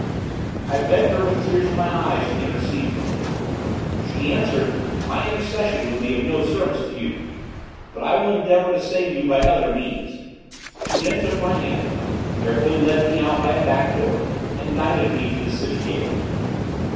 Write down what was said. I begged her with tears in my eyes to intercede for me. She answered, "My intercession would be of no service to you: but I will endeavor to save you by other means." She then took my hand, carefully led me out by a back door, and guided me to the city gate.